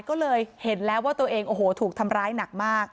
ก็เลยเห็นแล้วว่าตัวเองโอ้โหถูกทำร้ายหนักมาก